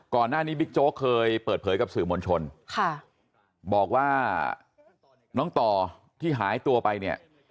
บิ๊กโจ๊กเคยเปิดเผยกับสื่อมวลชนค่ะบอกว่าน้องต่อที่หายตัวไปเนี่ย